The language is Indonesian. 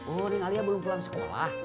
oh ring alia belum pulang sekolah